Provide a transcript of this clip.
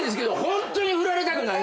⁉ホントにフラれたくない。